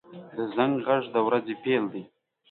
• د زنګ غږ د ورځې پیل دی.